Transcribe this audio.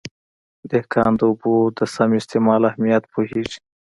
دهقان د اوبو د سم استعمال اهمیت پوهېږي.